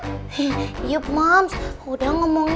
hih yup mams udah ngomong ya